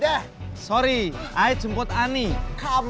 anak anak aku kasih kakak